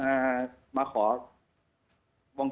พอที่ตำรวจเขามาขอ